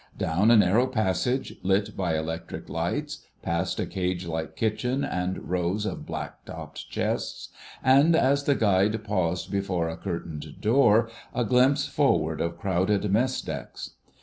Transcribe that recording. Down a narrow passage, lit by electric lights, past a cage like kitchen and rows of black topped chests, and, as the guide paused before a curtained door, a glimpse forward of crowded mess decks.